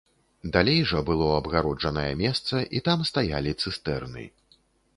Далей жа было абгароджанае месца і там стаялі цыстэрны.